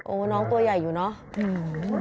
น้องตัวใหญ่อยู่เนอะ